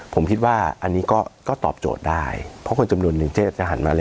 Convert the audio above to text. ผมคิดว่าอันนี้ก็ตอบโจทย์ได้เพราะคนจำนวนหนึ่งเจ๊จะหันมาเลย